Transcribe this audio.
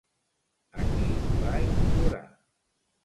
A qui va implorar?